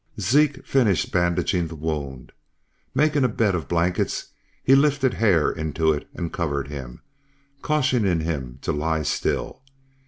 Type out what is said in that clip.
Zeke finished bandaging the wound. Making a bed of blankets he lifted Hare into it, and covered him, cautioning him to lie still.